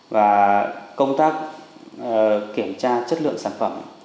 và công tác kiểm tra chất lượng sản phẩm